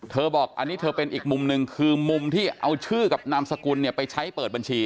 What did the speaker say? บอกอันนี้เธอเป็นอีกมุมหนึ่งคือมุมที่เอาชื่อกับนามสกุลเนี่ยไปใช้เปิดบัญชี